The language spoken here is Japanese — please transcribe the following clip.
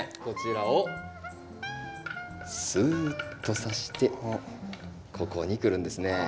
こちらをスーッとさしてここに来るんですね。